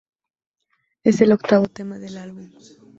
Es el octavo tema del álbum.